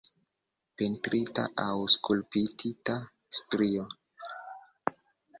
Pentrita aŭ skulptita strio.